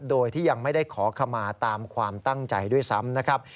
โดยที่ยังไม่ได้ขอขมาตามความตั้งใจด้วยซ้ำนะครับ